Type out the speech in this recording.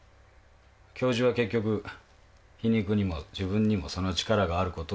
教授は結局皮肉にも自分にもその力があることを証明したにすぎない。